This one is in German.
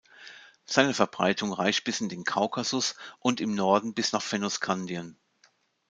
Seine Verbreitung reicht bis in den Kaukasus und im Norden bis nach Fennoskandien.